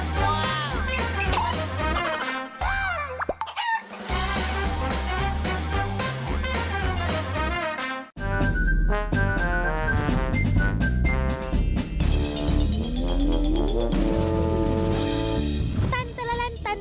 ว้าว